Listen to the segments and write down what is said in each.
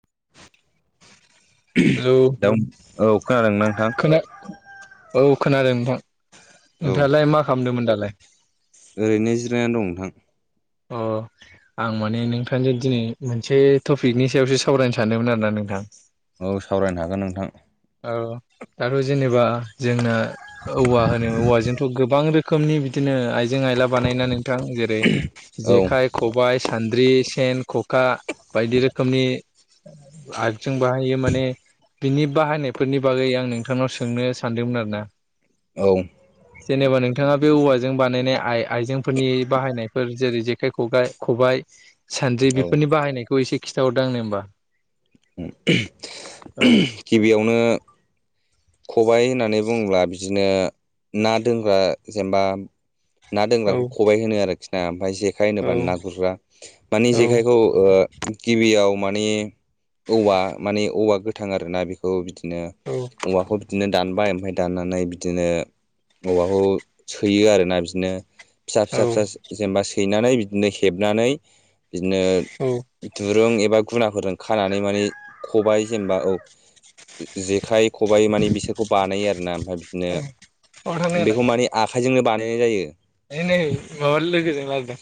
[inaudible] Hello दा औ खोनादोंना नोंथां? खोना औ खोनादों नोंथां औ नोंथालाय मा खालामदोंमोन दालाय? ओरैनो जिरायनानै दं नोंथां अ आं माने नोंथांजों दिनै मोनसे टपिकनि सायावसो सावरायनो सानदोंमोन आरोना नोंथां औ सावरायनो हागोन नोंथां आरो जेनेबा जोंना औवा होनो औवाजोंथ' गोबां रो खोमनि बिदिनो आइजें आइला बानायना नोंथां जेरै औ जेखाय खबाइ सान द्रि सेन ख'खा बायदि रोखोमनि आट जों बाहायो माने बिनि बाहायनाय फोरनि बागै आं नोंथांनाव सोंनो सानदोंमोन आरोना औ जेनेबा नोंथाङा बे औवाजों बानायनाय आ आइजेंफोरनि बाहायनायफोर जेरै जेखाइ खगाइ खबाय सानद्रि औ बेफोरनि बाहायनायखौ एसेखिन्थाहरदो आंनो होमबा औ गिबियावनो खबाइ होननानै बुङोब्ला बिदिनो ना दोनग्रा जेनेबा ना औ दोंग्राखौ खबाय होनो आरोखि ना ओमफ्राय जेखाइ होनोबा ना गुरग्रा मानि औ जेखायखौ ओ गिबियाव माने औवा माने औवा गोथां आरोना बेखौ बिदिनो औ औवाखौ बिदिनो दानबाय ओमफाय दाननानै बिदिनो औवाखौ सैयो आरोना बिदिनो फिसा- औ फिसा -फिसा जेनेबा सैनानै, बिदिनो हेबनानै बिदिनो औ दुरुं एबा [unintelligible] गुनाफोरजों खानानै मानि खबाइ जेनेबा औ जेखाय खबाइ माने बिसोरखौ बानायो आरोना। ओमफ्राय अबाव बिदिनो बेखौ माने आखाय जोंनो बानायनाय जायो। है नै माबा लोगोजों रायलायदों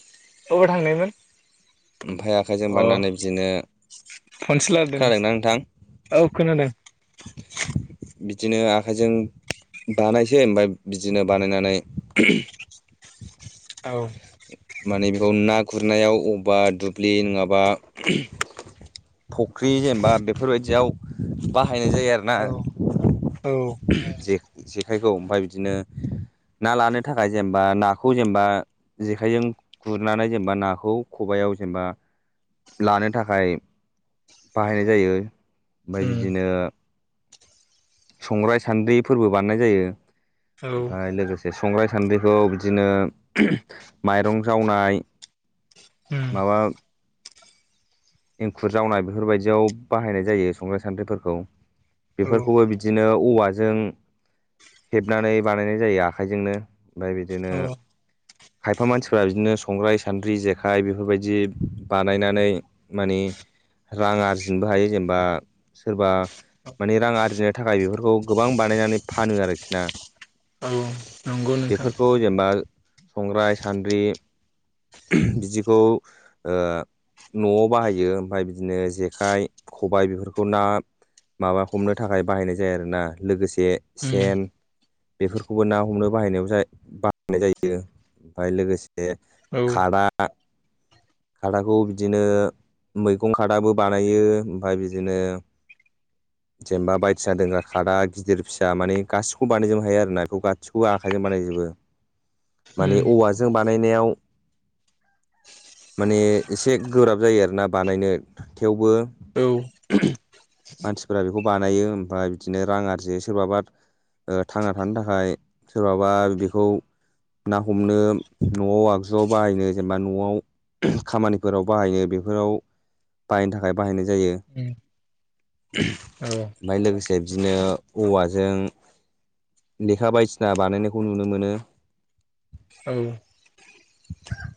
अबाव थांनायमोन? ओमफाय आखाइजों अ बानायनानै बिदिनो खोनादोंना नोंथां [unintelligible] औ खोनादों। बिदिनो आखाइजों बानायसै ओमफ्राय बिदिनो बानायनानै औ माने बेखौ ना गुरनायाव [unintelligible] बा दुब्लि नोङाबा फुख्रि जेनेबा बेफोरबायदियाव [unintelligible] बाहायनाय जायो आरोना औ औ ।जे-जेखाइखौ ओमफाय बिदिनो ना लानो थाखाय जेनेबा नाखौ जेनेबा जेखाइजों गुरनानै जेनेबा नाखौ खबायाव जेनेबा लानो थाखाय बाहायनाय जायो। ओमफ्राय उम बिदिनो संग्राय -सान्द्रि फोरबो बानायनाय जायो। औ ओमफ्राय लोगोसे [unintelligible] संग्राय- सान्द्रिखौ बिदिनो माइरं जावनाय उम माबा एंखुर जावनाय बेफोरबायदियाव बाहायनाय जायो संग्राय- सान्द्रिफोरखौ। औ बेफोरखौबो बिदिनो औवा [unintelligible] हेबनानै बानायनाय जायो आखाइजोंनो। ओमफ्राय बिदिनो औ खायफा मानसिफ्रा बिदिनो संग्राय -सान्द्रि, जेखाइ बेफोरबायदि बानायनानै माने रां आरजिनोबो हायो। जेनेबा सोरबा माने रां आरजिनो थाखाय बेफोरखौ गोबां बानायनानै फानो आरोखि ना। औ नंगौ नोंथां बेफोरखौ जेनेबा संग्राय- सान्द्रि बिदिखौ ओ न'आव बाहायो ।ओमफ्राय बिदिनो जेखाइ, खबाय बेफोरखौ ना माबा हमनो थाखाय बाहायनाय जायो आरोना। लोगोसे उम सेन बेफोरखौबो ना हमनो बाहायनायाव जा बाहायनाय जायो ।ओमफ्राय लोगोसे औ [unintelligible] खादा, खादाखौ बिदिनो मैगं खादाबो बानायो। ओमफ्राय बिदिनो [inaudible] जेनेबा बायदिसिना दोंग्रा खादा गिदिर फिसा माने गासिखौ बानायजोबनो हायो आरो ना ।बेखौ गासिखौबो आखाइजों बानायजोबो। [unintelligible] माने उम औवाजों बानायनायाव माने एसे गोब्राब जायो आरोना बानायनो थेवबो औ। मानसिफोरा बेखौ बानायो ।ओमफ्राय बिदिनो रां आरजियो सोरबाबा ओ थांना थानो थाखाय ।सोरबाबा बेखौ ना हमनो, न'आव आगजुआव बाहायनो, जेनेबा न'आव खामानि [unintelligible] बाहायनो बेफोराव बाहायनो थाखाय बाहायनाय जायो। औ ओमफ्राय लोगोसे बिदिनो औवाजों लेखा बायदिसिना बानायनायखौ नुनो मोनो।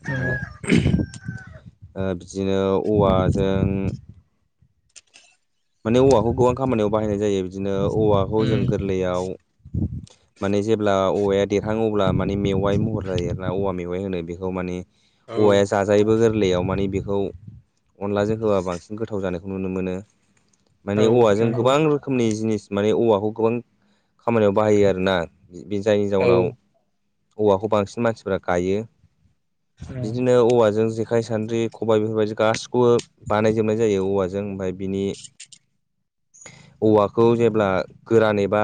ओमफ्राय ओ बिदिनो औवाजों माने औवाखौ गोबां खामानियाव बाहायनाय जायो। बिदिनो औवाखौ उम जों गोरलैयाव माने जेब्ला औवाया देरहांयो, अब्ला माने मेवाइ महर जायो आरोना ।औवा मेवाइ होनो बेखौ औ जाजायोबो गोरलैयाव मानि बेखौ अनलाजों होबा बांसिन गोथाव जानायखौ नुनो मोनो। औ माने औवाजों नंगौ गोबां रोखोमनि जिनिस माने औवाखौ गोबां खामानियाव बाहायो आरोना बिनि जायनि औ जाउनाव औवाखौ बांसिन मानसिफोरा गायो। [inaudible] बिदिनो औवाजों जेखाइ सान्द्रि खबाइ बेफोरबायदि गासिबखौबो बानायजोबनाय जायो औवाजों ओमफ्राय बिनि [inaudible] औवाखौ जेब्ला गोरान एबा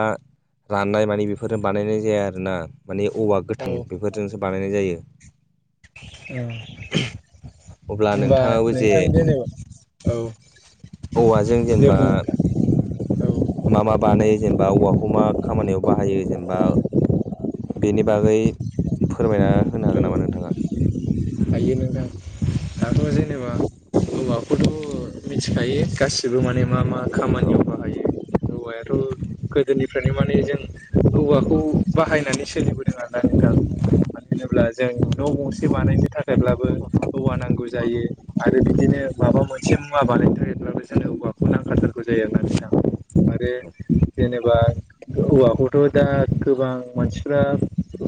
राननाय मानि बेफोरजों बानायनाय जाया आरोना माने औवा गोथां बेफोरजोंसो बानायनाय जायो। औ अब्ला होमबा नोंथाङाबो जे नोंथां जेनेबा औ औवाजों दे जेनेबा बुं नोंथां औ मा मा बानाय जेनेबा औवाखौ मा खामानियाव बाहायो जेनेबा बेनि बागै फोरमायना होनो औ हागोन नामा नोंथाङा? हायो नोंथां दाथ' जेनेबा [inaudible] औवाखौथ' मिथिखायो गासिबो माने मा मा खामानियाव बाहायो औवायाथ' गोदोनिफ्रायनो माने जों औवा खौ बाहायनानै सोलिबोदों आरोना नोंथां मानो होनोब्ला जों न' गंसे बानायनो थाखायब्लाबो औवा नांगौ जायो आरो बिदिनो माबा मोनसे मुवा बानायनो थाखायब्लाबो जोंनो औवाखौ नांखाथारगौ जायो आरोना नोंथां आरो जेनेब बा औवाखौथ' दा गोबां मानसिफ्रा गो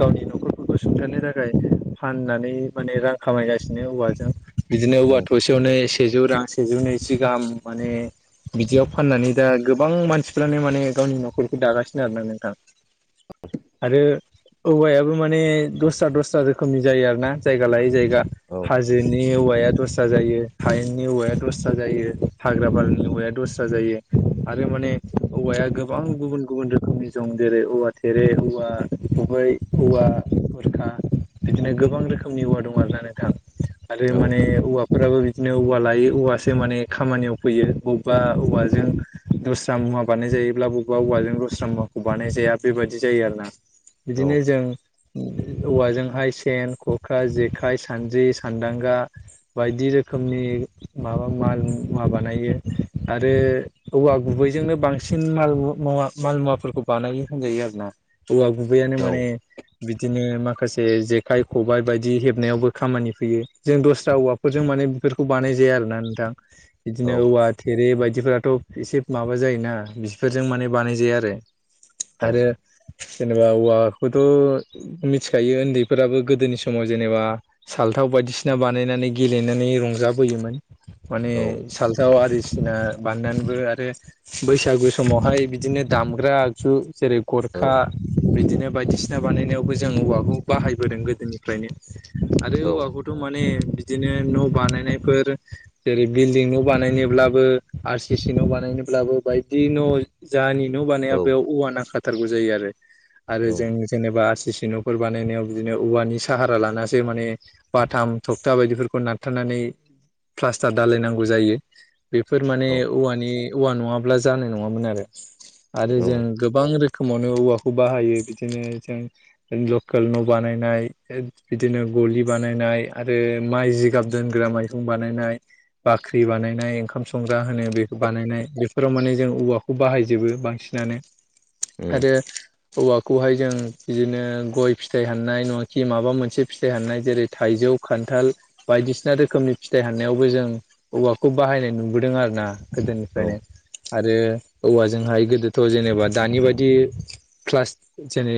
गावनि न'खरफोरखौ सुंथानो थाखाय फाननानै माने रां खामायगासिनो औवाजों बिदिनो औवा थसेयावनो सेजौ रां सेजौ नैजि गाहाम माने बिदियाव फाननानै दा गोबां मानसिफ्रानो माने गावनि न'खरखौ दागासिनो आरोना नोंथां। आरो औवायाबो माने दस्रा दस्रा रोखोमनि जायो आरोना। जायगा लायै जायगा औ हाजोनि हौवाया दस स्रा जायो हायेननि औवाया दस्रा जायो हाग्रा बारिनि औवाया दस्रा जायो आरो माने औवाया गोबां गुबुन गुबुन रोखोमनि जं जेरै औवा थेरे औवा गुबै बा बुरखा बिदिनो गोबां रोखोमनि औवा दं आरोना नोंथां आरो माने औवा फोराबो बिदिनो औवा लायो औवासो माने खामानियाव फैयो बबबा औवाजों दस्रा मुवा बानाय जायोब्ला बबबा औवाजों दस्रा मुवाखौ बानाय जाया बेबायदि जायो आरोना। औ बिदिनो जों औवाजोंहाय सेन खखा जेखाइ सानज्रि सानदांगा बायदि रोखोमनि माबा माल मुवा बानायो आरो औवा गुबै जोंनो बांसिन माल मुवा माल मुवाफोरखौ बानायो होनजायो आरोना। औवा गुबैयानो औ माने बिदिनो माखासे जेखाइ खबाइ बायदि हेबनायावबो खामानि फैयो जों दस्रा औवा फोरजों माने बेफोरखौ बानाय जाया आरोना नोंथां बिदिनो औ औवा थेरे बायद दिफोराथ' एसे माबा जायोना बिफोरजों माने बानाय जाया आरो औ आरो जेनेबा औवाखौथ' मिथिखायो ओन्दैफोराबो गोदोनि समाव जेनेबा साल थाव बायदिसिना बानायनानै गेलेनानै रंजाबोयोमोन माने औ सालथाव आरि बायदिसिना बाननानैबो आरो बैसागु समावहाय बिदिनो दामग्रा आगजु जेरै गरखा बिदिनो बायदिसिना बानायनायावबो जों औवाखौ बाहायबोदों गोदोनिफ्रायनो। आरो औ औवा खौथ' माने बिदिनो न' बानायनायफोर जेरै बिल्डिं न' बानायनोब्लाबो आर सि सि न' बानायनो ब्लाबो बायदि न' जानि न' बानाया बेयाव औवा नांखाथारगौ जायो आरो जों औ जेनेबा आर सि सि सिन'फोर बानायनायाव बिदिनो औवानि साहारा लानासो माने बाथाम थ खुन्था बायदिफोरखौ नारथारनानै प्लास्टार दालायनांगौ जायो। बेफोर माने औवानि औवा नङाब्ला जानाय नङामोन आरो आरो औ जों गोबां रोख खोमावनो औवाखौ बाहायो बिदिनो जों जों लकेल न' बानायनाय बिदिनो गलि बानायनाय आरो आरो माइ जिगाब दोनग्रा मायरं बानायनाय बाख्रि बानायनाय ओंखाम संग्रा होनो बेखौ बानायनाय बेाव माने जों औवाखौ बायजो बांसिनानो उम आरो हौवाखौहाय जों इदिनो गय फिथाइ हाननाय नंआ खि माबा मोनसे फिथाय हाननाय जेरै थियजौ खान्थाल बायदिसिना रोखोमनि फिथाय साननायाव बो जों औवाखौ बाहायनाय नुनो दों आरो ना गोदोनिफ्रायनो औ आरो औवाजोंहाय गोदोथ' जेनेबा दानि बायदिला जेन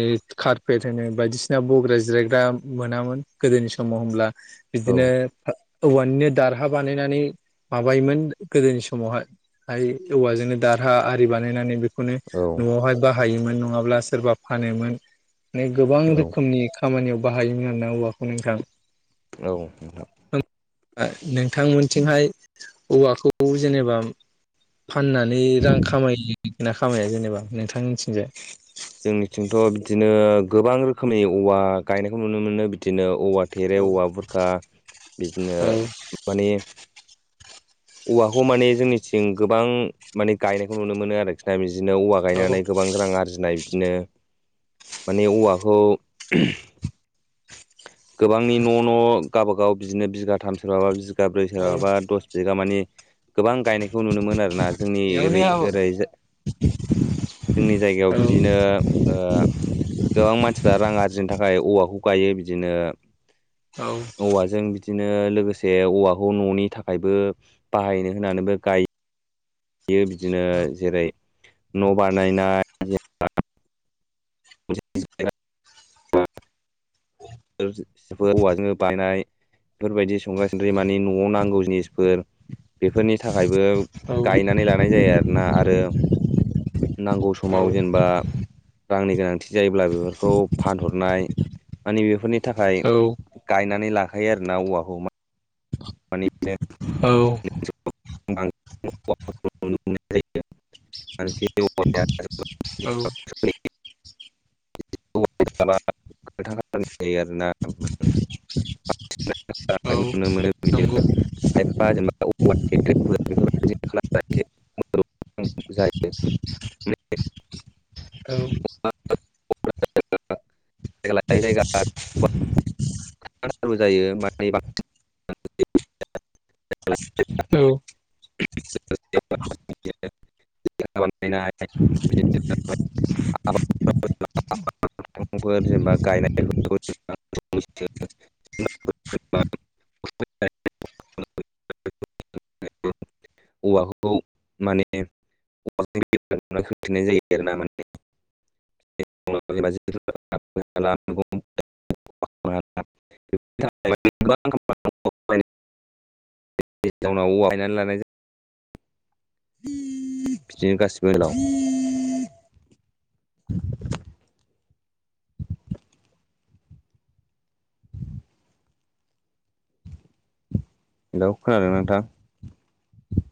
कारपेट होनो बायदिसिना बग्रा जिरायग्रा मोनामोन गोदोनि समाव होनोमब्ला बिदिनो औ औवानिनो दारहा बानायनानै माबायोमोन गोदोनि समावहाय हाय औवाजोंनो दारहा आरि बानायनानै बे खौनो औ न'आवहाय बाहायोमोन नङाब्ला सोरबा फानोमोन गोबां औ रोखोमनि खामानियाव बाहायोमोन आरोना औवाखौ नोंथां औ नों नोंथांमोनथिंहाय औवाखौ जेनेबा फाननानै रां खामायगोन ना खामायो जोंनिथिंथ' बिदिनो गोबां रोखोमनि औवा गायनायखौ नुनो मोनो बिदिनो औवा थेरे औ औवा बुरखा बिदिनो औ मानि औवाखौ माने जोंनिथिं गोबां इदिनो औवा औ गायनानै गोबां रां आरजिनाय बिदिनो माने औवाखौ गोबांनि न' न' गावबागाव बिदिनो बिगाथाम सोरबाबा बिगाब्रै सोरबाबा दस बिगा मानि गोबां गायनायखौ नुनो मोन आरोना जोंनि ओरै बेयावनो ओरै जोंनि जायगायाव औ बिदिनो ओ गोबां मानसिफ्रा रां आरजिनो थाखाय थाखाय औवाखौ गायो बिदिनो औ औवाजों इदिनो लोगोसे औवाखौ न'नि थाखायबो बाहायनो होनानैबो गायो यो बिदिनो जेरै न' बानायनाय [unintelligible] फोर औवाजोंनो बायनाय बेफोरबायदि संग्रा सिंद्रि मानि न'आव नांगौ जिनिसफोर बेफोरनि थाखायबो बो गायनानै लानाय जायो आरोना आरो नांगौ औ समाव जेनेबा रांनि गोनांथि जायोब्ला बेफोरखौ फानहरनाय मानि बेफोरनि थाखाय औ गायनानै लाखायो आरोना औवाखौ मा माने औ [unintelligible] नुनोमोनाय जायो [unintelligible] [unintelligible] [unintelligible] बिदिनो औ खायफा नंगौ जेनेबा औवा बेफोरबाय [unintelligible] जायो औ [unintelligible] जायो माने बांसिन [unintelligible] औ [unintelligible] [unintelligible] जेनेबा [inaudible] [inaudible] औवाखौ माने [inaudible] जायो आरो ना माने [unintelligible] [inaudible] [inaudible] जाउनाव बायनानै लानाय जायो बिदिनो गासिबो लाव [inaudible] हेलौ खोनादों नोंथां